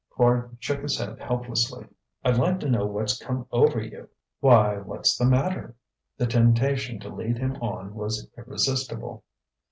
Quard shook his head helplessly: "I'd like to know what's come over you...." "Why, what's the matter?" The temptation to lead him on was irresistible.